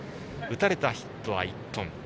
打たれたヒットは１本。